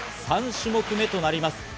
３種目目となります。